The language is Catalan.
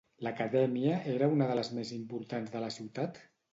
L'acadèmia era una de les més importants de la ciutat?